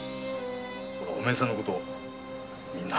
お前さんのことみんな話したよ。